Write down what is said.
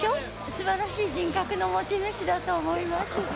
すばらしい人格の持ち主だと思います。